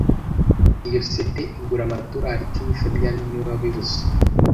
Iyo CD igura amadorari icumi fabien niwe wabivuze (